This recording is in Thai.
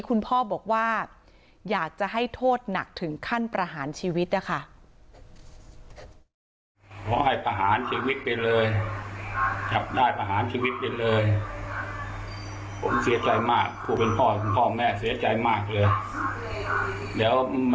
คุณพ่อบอกว่าอยากจะให้โทษหนักถึงขั้นประหารชีวิตนะคะ